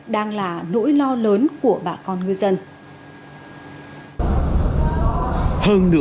đang là nỗi lo lớn